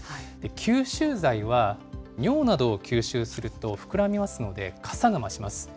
吸収材は尿などを吸収すると膨らみますので、かさが増します。